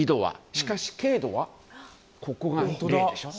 しかし経度はここが０度でしょ。